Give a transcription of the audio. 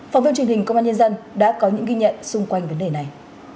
phóng viên truyền hình công an nhân dân đã có những ghi nhận xung quanh vấn đề này